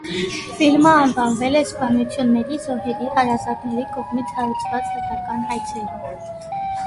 Ֆիլմը անվանվել է սպանությունների զոհերի հարազատների կողմից հարուցված դատական հայցերում։